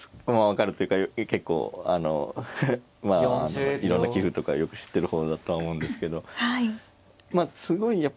まあ分かるというか結構あのまあいろんな棋風とかよく知ってる方だとは思うんですけどまあすごい